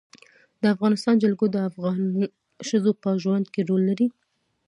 د افغانستان جلکو د افغان ښځو په ژوند کې رول لري.